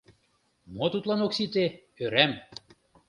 — Мо тудлан ок сите — ӧрам.